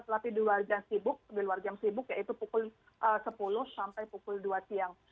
tapi di luar jam sibuk yaitu pukul sepuluh sampai pukul dua siang